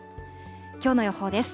きょうの予報です。